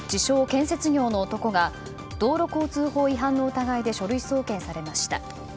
建設業の男が道路交通法違反の疑いで書類送検されました。